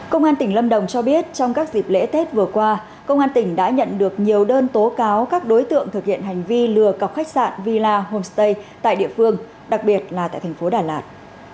công an tỉnh lâm đồng cho biết trong các dịp lễ tết vừa qua công an tỉnh đã nhận được nhiều đơn tố cáo các đối tượng thực hiện hành vi lừa cọc khách sạn villa homestay tại địa phương đặc biệt là tại thành phố đà lạt